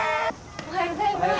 おはようございます。